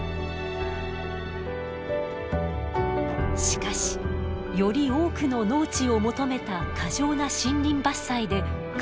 しかしより多くの農地を求めた過剰な森林伐採で環境が悪化。